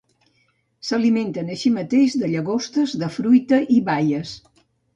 S'alimenten així mateix de llagostes, de fruita i baies.